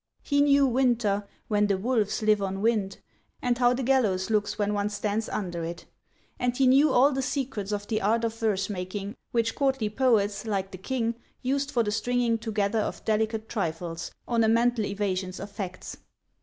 He knew winter, 'when the wolves live on wind,' and how the gallows looks when one stands under it. And he knew all the secrets of the art of verse making which courtly poets, like the King, used for the stringing together of delicate trifles, ornamental evasions of facts.